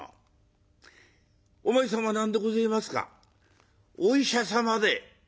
「お前さんは何でごぜえますかお医者様で。